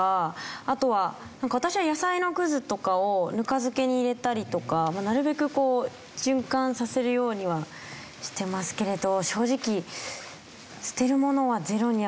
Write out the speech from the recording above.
あとは私は野菜のクズとかをぬか漬けに入れたりとかなるべくこう循環させるようにはしてますけれど正直。